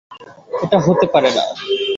এটা হতে পারে না!